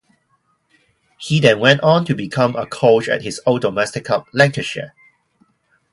He then went on to become a coach at his old domestic club, Lancashire.